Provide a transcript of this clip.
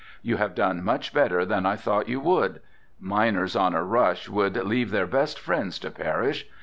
You have done much better than I thought you would. Miners on a rush would leave their best friends to perish.